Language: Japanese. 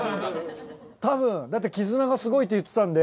たぶんだって絆がすごいって言ってたんで。